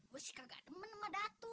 gue sih kagak demen sama datu